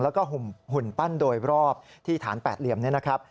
แล้วก็หุ่นปั้นโดยรอบที่ฐานแปดเหลี่ยมนี่นะครับ